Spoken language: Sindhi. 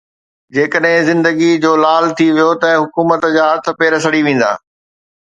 جيڪڏهن زندگي جو لال ٿي ويو ته حڪومت جا هٿ پير سڙي ويندا.